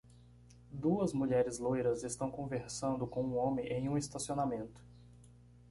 Duas mulheres loiras estão conversando com um homem em um estacionamento.